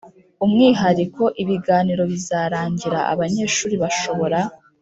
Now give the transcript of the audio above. umwihariko ibiganiro bizarangira abanyeshuri bashobora